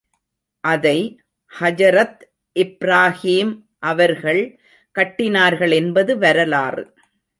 அதை ஹஜரத் இப்ராகீம் அவர்கள் கட்டினார்கள் என்பது வரலாறு.